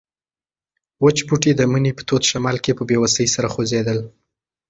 وچ بوټي د مني په تود شمال کې په بې وسۍ سره خوځېدل.